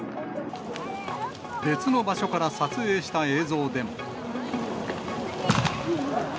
別の場所から撮影した映像でも。